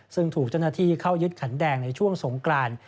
ซึ่งถูกเจ้าหน้าที่เข้ายึดขันแดงในช่วงสงกราน